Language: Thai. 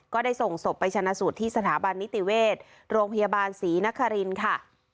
ก็ได้ส่งศพไปชนะสูตรที่สถาบันนิติเวชโรงพยาบาลศรีนครินทร์ค่ะ